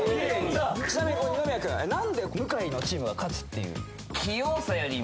ちなみに二宮くん何で向井のチームが勝つっていう？